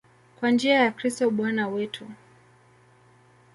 Kwa njia ya Kristo Bwana wetu.